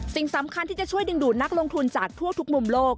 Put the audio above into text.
สิ่งสำคัญที่จะช่วยดึงดูดนักลงทุนจากทั่วทุกมุมโลก